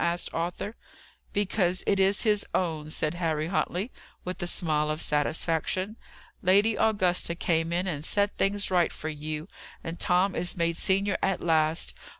asked Arthur. "Because it is his own," said Harry Huntley, with a smile of satisfaction. "Lady Augusta came in and set things right for you, and Tom is made senior at last.